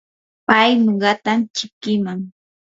pay nuqatam chikiman.